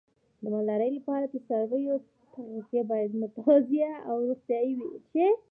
د مالدارۍ لپاره د څارویو تغذیه باید متوازنه او روغتیايي وي.